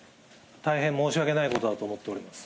大変申し訳ないことだと思っております。